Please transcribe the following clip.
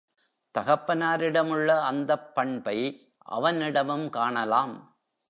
தகப்பனாரிடம் உள்ள அந்தப் பண்பை அவனிடமும் காணலாம்.